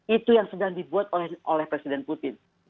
itu yang sedang dibuat oleh presiden putin